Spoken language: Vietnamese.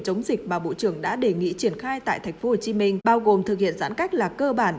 chống dịch mà bộ trưởng đã đề nghị triển khai tại tp hcm bao gồm thực hiện giãn cách là cơ bản